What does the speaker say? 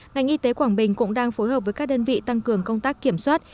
ngành y tế quảng bình cũng đang phối hợp với các đơn vị tăng cường công tác kiểm soát